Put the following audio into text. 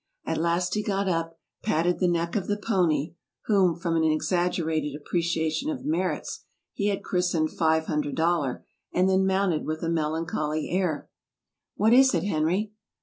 At last he got up, patted the neck of the pony (whom, from an exaggerated appreciation of his merits, he had christened " Five Hundred Dollar "), and then mounted with a melan choly air. " What is it, Henry?